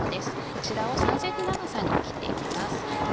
こちらを３ｃｍ長さに切っていきます。